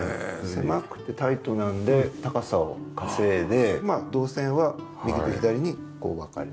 狭くてタイトなので高さを稼いで動線は右と左にこう分かれると。